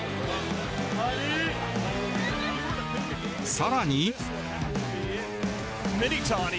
更に。